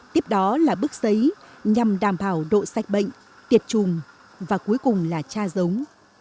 tiếp đó là bước xấy nhằm đảm bảo độ sạch bệnh tiệt trùng và cuối cùng là tra giống